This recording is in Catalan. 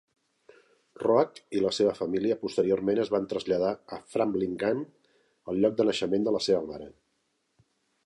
Roach i la seva família posteriorment es van traslladar a Framlingham, el lloc de naixement de la seva mare.